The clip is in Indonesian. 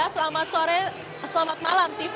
selamat sore selamat malam